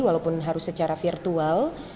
walaupun harus secara virtual